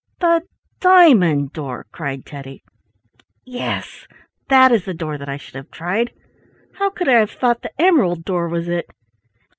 "The diamond door!" cried Teddy. "Yes, that is the door that I should have tried. How could I have thought the emerald door was it?"